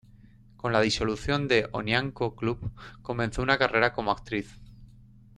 Con la disolución de Onyanko Club comenzó una carrera como actriz.